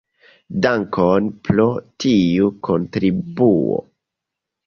Dankon pro tiu kontribuo.